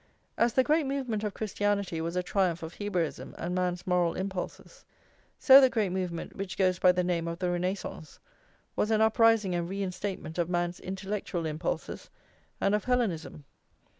As the great movement of Christianity was a triumph of Hebraism and man's moral impulses, so the great movement which goes by the name of the Renascence* was an uprising and re instatement of man's intellectual impulses and of Hellenism.